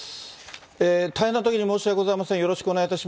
大変なときに申し訳ございません。